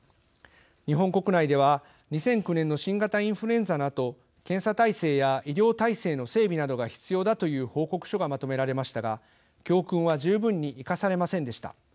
日本国内では２００９年の新型インフルエンザのあと検査体制や医療体制の整備などが必要だという報告書がまとめられましたが教訓は十分に生かされませんでした。